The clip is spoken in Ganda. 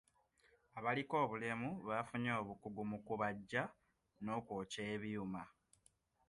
Abaliko obulemu baafunye obukugu mu kubajja n'okwokya ebyuma.